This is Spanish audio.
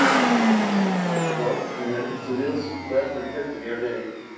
De aquí se abren las escalinatas que conducen al interior del castillo.